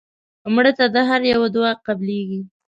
مړه ته د هر یو دعا قبلیږي